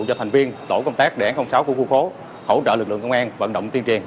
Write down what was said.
cho thành viên tổ công tác để sáu khu khu khố hỗ trợ lực lượng công an vận động tiên triền